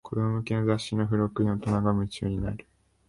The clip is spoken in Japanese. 子供向けの雑誌の付録に大人が夢中になる